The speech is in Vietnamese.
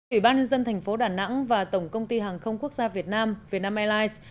ủy ban nhân dân thành phố đà nẵng và tổng công ty hàng không quốc gia việt nam vietnam airlines